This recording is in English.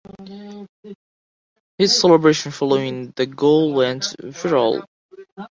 His celebration following the goal went viral.